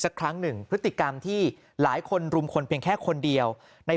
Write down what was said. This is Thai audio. ครั้งหนึ่งพฤติกรรมที่หลายคนรุมคนเพียงแค่คนเดียวใน